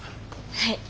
はい。